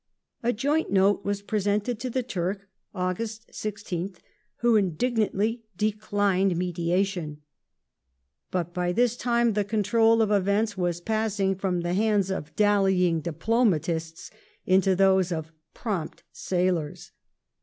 A joint note was presented to the Turk (Aug. 16th) who indig Battle of nantly declined mediation, v^ut by this time the control of events Navanno was passing from the hands of dallying diplomatists into those of prompt sailoi s.